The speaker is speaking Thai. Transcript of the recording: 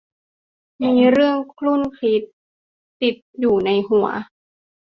มีเรื่องครุ่นคิดติดอยู่ในหัว